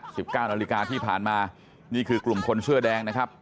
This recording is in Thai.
สิบเก้านาฬิกาที่ผ่านมานี่คือกลุ่มคนเสื้อแดงนะครับ